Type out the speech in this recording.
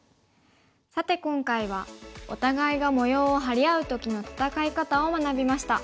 さて今回はお互いが模様を張り合う時の戦い方を学びました。